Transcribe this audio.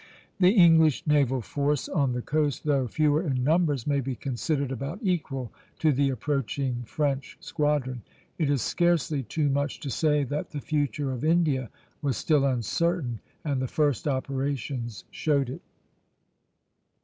The English naval force on the coast, though fewer in numbers, may be considered about equal to the approaching French squadron. It is scarcely too much to say that the future of India was still uncertain, and the first operations showed it.